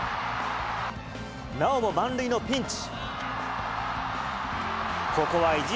なおも満塁のピンチ。